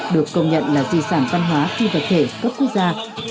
được công nhận là di sản văn hóa phi vật thể cấp quốc gia